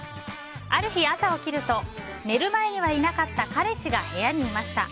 ある日、朝起きると寝る前にいなかった彼氏が部屋にいました。